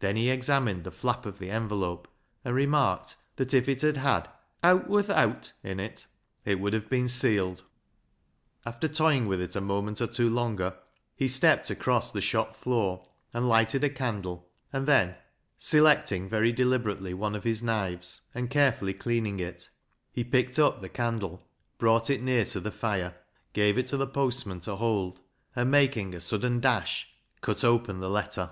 Then he examined the flap of the envelope, 154 BECKSIDE LIGHTS and remarked that if it had had " owt woth out " in it, it would have been sealed. After toying with it a moment or two longer, he stepped across the shop floor and lighted a candle, and then selecting very deliberately one of his knives, and carefully cleaning it, he picked up the candle, brought it near the fire, gave it to the postman to hold, and making a sudden dash, cut open the letter.